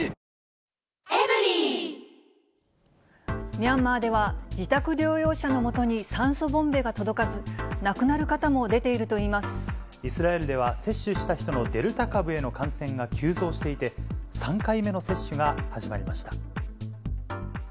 ミャンマーでは、自宅療養者のもとに酸素ボンベが届かず、イスラエルでは、接種した人のデルタ株への感染が急増していて、３回目の接種が始まりました。